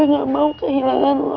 karena gue gak mau kehilangan lo